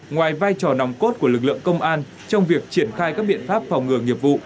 ngoài vai trò nòng cốt của lực lượng công an trong việc triển khai các biện pháp phòng ngừa nghiệp vụ